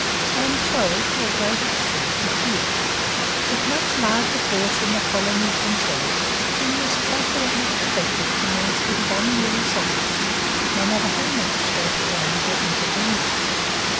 And so, to a great extent, it did. With a much larger force in the colonies themselves the king was confidently expected to master his unruly subjects, no matter how much they proclaimed their independence.